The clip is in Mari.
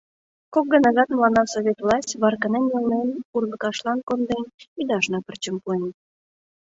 Кок ганажат мыланна совет власть, варкынен-илнен, урлыкашлан конден, ӱдашна пырчым пуэн.